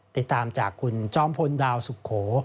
ติดตามจากคุณจอมพลดาวสุโข